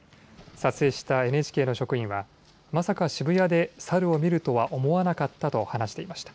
撮影したＮＨＫの職員はまさか渋谷でサルを見るとは思わなかったと話していました。